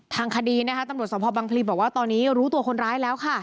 ทางคดีนะคะตำรวจสมภาพบังพลีบอกว่าตอนนี้รู้ตัวคนร้ายแล้วค่ะ